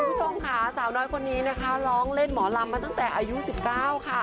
คุณผู้ชมค่ะสาวน้อยคนนี้นะคะร้องเล่นหมอลำมาตั้งแต่อายุ๑๙ค่ะ